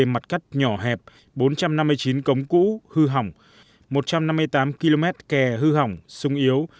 một mươi mặt cắt nhỏ hẹp bốn trăm năm mươi chín cống cũ hư hỏng một trăm năm mươi tám km kè hư hỏng sung yếu